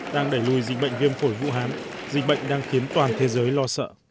đang đẩy lùi dịch bệnh viêm phổi vũ hán dịch bệnh đang khiến toàn thế giới lo sợ